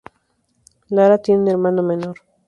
Lara tiene un hermano menor.